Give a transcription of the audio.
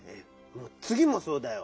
つぎもそうだよ。